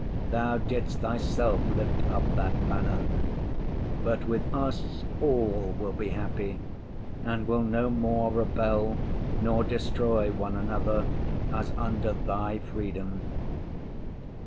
Thou didst Thyself lift up that banner. But with us all will be happy and will no more rebel nor destroy one another as under Thy freedom.